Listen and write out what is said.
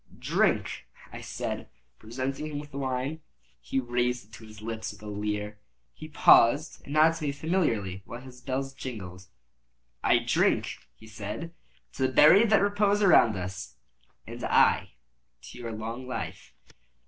"Drink," I said, presenting him the wine. He raised it to his lips with a leer. He paused and nodded to me familiarly, while his bells jingled. "I drink," he said, "to the buried that repose around us." "And I to your long life."